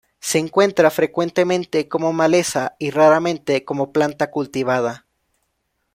Se encuentra frecuentemente como maleza y raramente como planta cultivada.